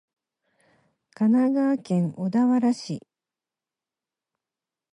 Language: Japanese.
神奈川県小田原市